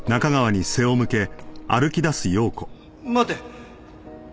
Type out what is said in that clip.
待て！